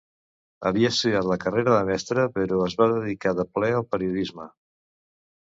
Havia estudiat la carrera de mestre, però es va dedicar de ple al periodisme.